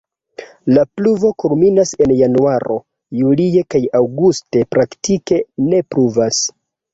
La pluvo kulminas en januaro, julie kaj aŭguste praktike ne pluvas.